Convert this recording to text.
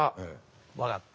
分かった。